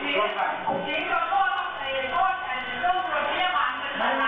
เป็นกดตรงสักและด้านหนึ่งด้านหลัง